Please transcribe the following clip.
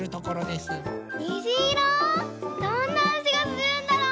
どんなあじがするんだろう？